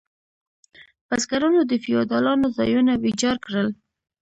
بزګرانو د فیوډالانو ځایونه ویجاړ کړل.